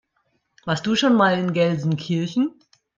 Warst du schon mal in Gelsenkirchen?